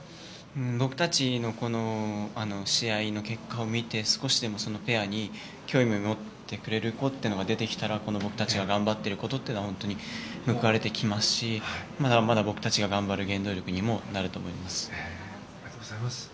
僕たちの試合の結果を見て少しでもペアに興味を持ってくれる子が出てきたら僕たちが頑張っていることが本当に報われてきますしまだまだ僕たちが頑張る原動力にもなります。